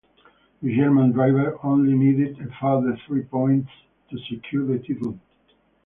The German driver only needed a further three points to secure the title.